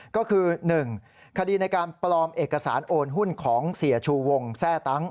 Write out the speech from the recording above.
ก็คือ๑คดีในการปลอมเอกสารโอนหุ้นของเสียชูวงแทร่ตั้ง